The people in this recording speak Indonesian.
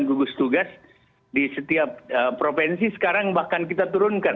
dan gugus tugas di setiap provinsi sekarang bahkan kita turunkan